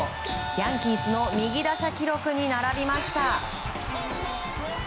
ヤンキースの右打者記録に並びました。